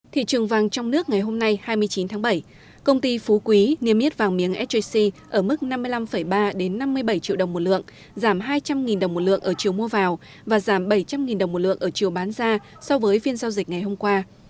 thị trường vàng trong nước ngày hôm nay hai mươi chín tháng bảy công ty phú quý niêm yết vàng miếng sjc ở mức năm mươi năm ba năm mươi bảy triệu đồng một lượng giảm hai trăm linh đồng một lượng ở chiều mua vào và giảm bảy trăm linh đồng một lượng ở chiều bán ra so với phiên giao dịch ngày hôm qua